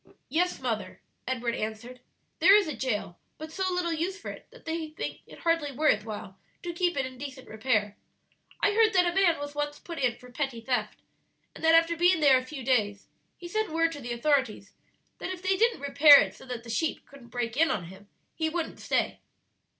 "Yes, mother," Edward answered; "there is a jail, but so little use for it that they think it hardly worth while to keep it in decent repair. I heard that a man was once put in for petty theft, and that after being there a few days he sent word to the authorities that if they didn't repair it so that the sheep couldn't break in on him, he wouldn't stay."